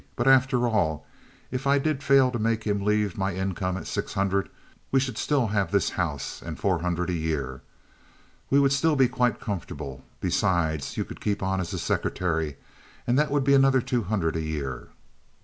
"But, after all, if I did fail to make him leave my income at six hundred, we should still have this house and four hundred a year. We should still be quite comfortable. Besides, you could keep on as his secretary, and that would be another two hundred a year."